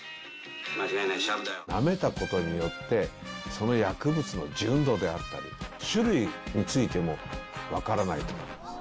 間違いない、なめたことによって、その薬物の純度であったり、種類についても分からないと思ってます。